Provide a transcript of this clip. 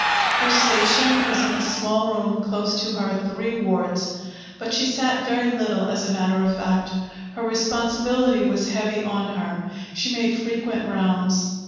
Her station was in a small room close to her three wards. But she sat very little, as a matter of fact. Her responsibility was heavy on her; she made frequent rounds.